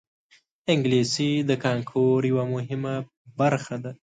انګلیسي د کانکور یوه مهمه برخه ده